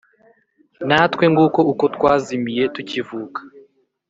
Natwe nguko uko twazimiye tukivuka,